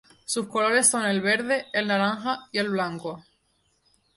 Sus colores son el verde, el naranja, y el blanco.